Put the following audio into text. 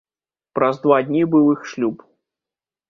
Праз два дні быў іх шлюб.